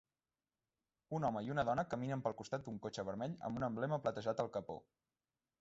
Un home i una dona caminen pel costat d'un cotxe vermell amb un emblema platejat al capó.